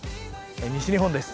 西日本です。